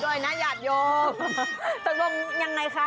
พยายามด้วยนะยาดยกจักรงดิ์ยังไงค่ะ